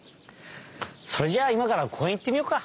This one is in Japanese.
それじゃいまからこうえんいってみようか。